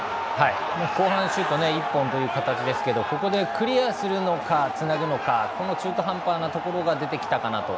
後半シュート１本という形ですけどここでクリアするのかつなぐのかこの中途半端なところが出てきたかなと。